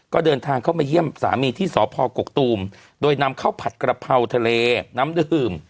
ก็เดินทางเข้ามาเยี่ยมสามีที่สพกกตูมโดยนำข้าวผัดกระเพราทะเลน้ำดื่ม